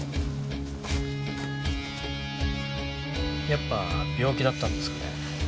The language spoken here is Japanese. やっぱ病気だったんですかね？